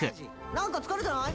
「何か疲れてない？」